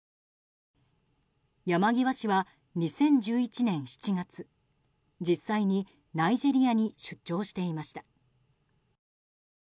山際氏は２０１１年７月実際にナイジェリアに出張していました。